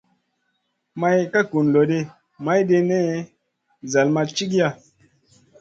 May ka gun lo ɗi, mayɗin zall ma cigiya.